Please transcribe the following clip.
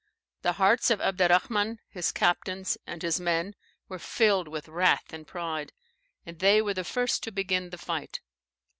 The hearts of Abderrahman, his captains, and his men were filled with wrath and pride, and they were the first to begin the fight.